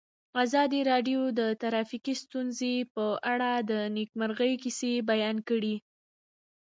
ازادي راډیو د ټرافیکي ستونزې په اړه د نېکمرغۍ کیسې بیان کړې.